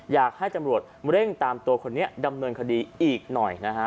อยากให้ตำรวจเร่งตามตัวคนนี้ดำเนินคดีอีกหน่อยนะฮะ